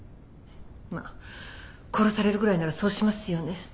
まあ殺されるぐらいならそうしますよね。